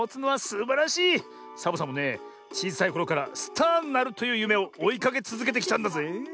サボさんもねちいさいころからスターになるというゆめをおいかけつづけてきたんだぜえ。